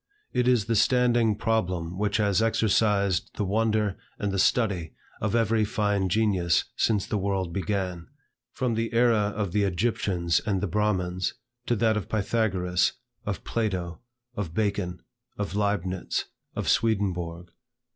It is the standing problem which has exercised the wonder and the study of every fine genius since the world began; from the era of the Egyptians and the Brahmins, to that of Pythagoras, of Plato, of Bacon, of Leibnitz, of Swedenborg.